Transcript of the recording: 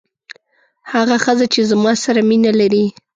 هغه ښځه چې زما سره مینه لري.